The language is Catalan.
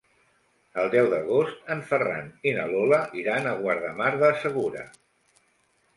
El deu d'agost en Ferran i na Lola iran a Guardamar del Segura.